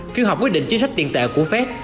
phiêu học quyết định chính sách tiền tệ của fed